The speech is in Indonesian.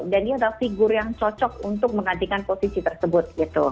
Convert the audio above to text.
dan dia adalah figur yang cocok untuk menggantikan posisi tersebut